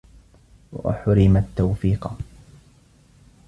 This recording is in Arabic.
وَحُرِمَ التَّوْفِيقَ